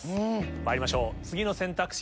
まいりましょう次の選択肢